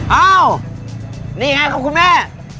อ้าวนี่ไงครับคุณแม่